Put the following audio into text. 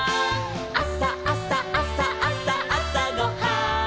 「あさあさあさあさあさごはん」